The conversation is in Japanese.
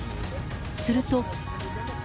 すると。